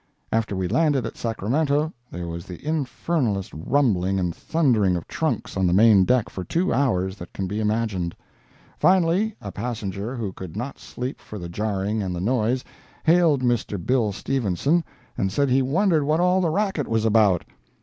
After we landed at Sacramento there was the infernalest rumbling and thundering of trunks on the main deck for two hours that can be imagined. Finally a passenger who could not sleep for the jarring and the noise, hailed Mr. Bill Stephenson and said he wondered what all the racket was about.